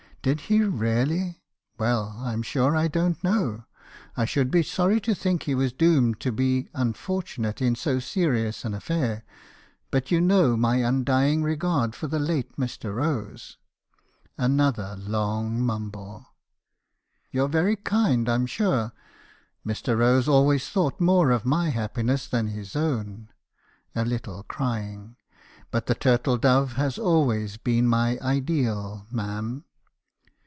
'"Did he really? Well, I'm sure I don't know. I should be sorry to think he was doomed to be unfortunate in so serious an affair; but you know my undying regard for the late Mr. Rose.' "Another long mumble. " 'You're very kind, I'm sure. Mr. Rose always thought more of my happiness than his OAvn' — a little crying — 'but the turtle dove has always been my ideal, ma'am.'